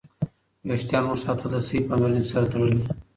ویښتان اوږد ساتل د صحي پاملرنې سره تړلي.